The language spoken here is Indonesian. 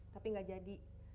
tapi gak jadi